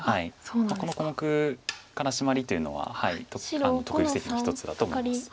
この小目からシマリというのは得意布石の一つだと思います。